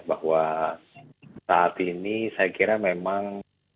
bahwa saat ini saya kira memang